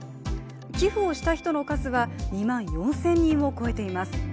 寄付をした人の数は２万４０００人を超えています。